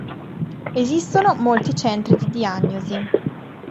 Esistono molti centri di diagnosi.